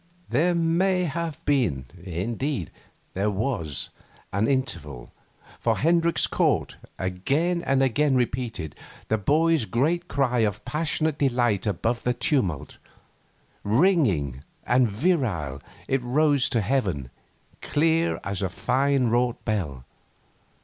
There may have been indeed, there was an interval, for Hendricks caught, again and again repeated, the boy's great cry of passionate delight above the tumult. Ringing and virile it rose to heaven, clear as a fine wrought bell.